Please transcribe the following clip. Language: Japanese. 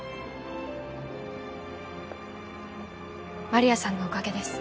丸谷さんのおかげです。